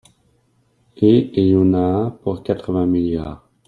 Et il y en a pour quatre-vingts milliards.